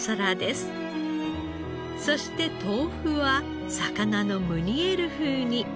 そして豆腐は魚のムニエル風に。